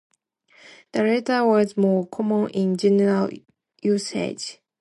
The latter was more common in general usage.